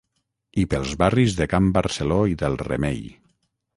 i pels barris de can Barceló i del Remei